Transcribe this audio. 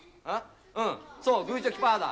うん、そう、グー・チョキ・パーだ。